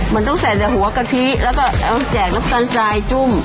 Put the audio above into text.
มันต้องใส่แต่หัวกะทิแล้วก็แจกน้ำตาลทรายจุ่ม